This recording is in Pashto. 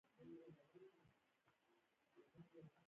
دا د واکمنې طبقې واک کمزوری کوي.